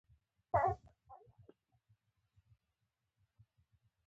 له ماتې وروسته د بنګلادیش لوبډلې ټولو لوبغاړو سرونه ښکته ونیول